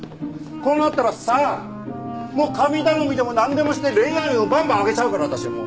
こうなったらさもう神頼みでもなんでもして恋愛運をバンバン上げちゃうから私も。